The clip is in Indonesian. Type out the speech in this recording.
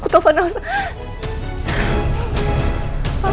aku aku aku aku tuhan